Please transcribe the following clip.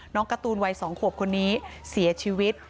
การ์ตูนวัย๒ขวบคนนี้เสียชีวิต